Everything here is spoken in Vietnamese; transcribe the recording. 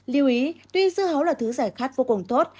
lưu ý tuy dưa hấu là thứ giải khát vô cùng tốt